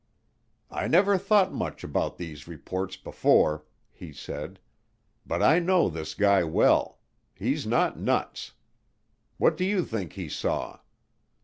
"I never thought much about these reports before," he said, "but I know this guy well. He's not nuts. What do you think he saw?"